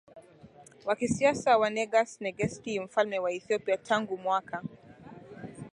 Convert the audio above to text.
wa kisiasa wa Negus Negesti Mfalme wa Ethiopia Tangu mwaka